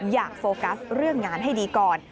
โฟกัสเรื่องงานให้ดีก่อน